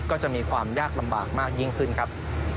ก็จะมีความยากลำบากมากยิ่งขึ้นครับ